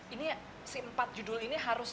ini si empat judul ini harus